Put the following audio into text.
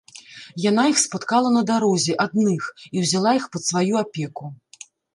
Яна іх спаткала на дарозе адных і ўзяла іх пад сваю апеку.